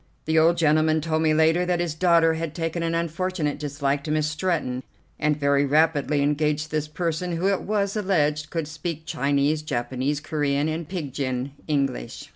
The old gentleman told me later that his daughter had taken an unfortunate dislike to Miss Stretton, and had very rapidly engaged this person, who, it was, alleged, could speak Chinese, Japanese, Corean, and pidgin English.